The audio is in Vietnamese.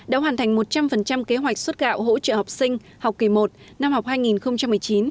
đã hoàn thành một trăm linh kế hoạch xuất gạo hỗ trợ học sinh học kỳ i năm học hai nghìn một mươi chín hai nghìn hai mươi